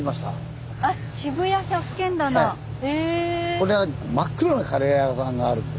これは真っ黒なカレー屋さんがあるんですよ。